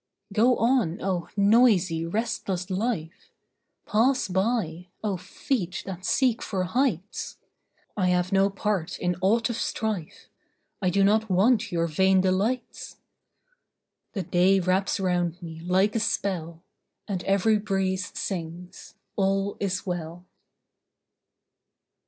Go on, oh, noisy, restless life! Pass by, oh, feet that seek for heights! I have no part in aught of strife; I do not want your vain delights. The day wraps round me like a spell, And every breeze sings, "All is well."